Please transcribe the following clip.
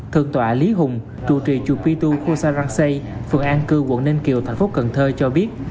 thượng tòa lý hùng chủ trì chùa pitu khu sa rang say phường an cư quận ninh kiều thành phố cần thơ cho biết